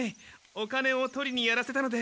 お金を取りにやらせたので。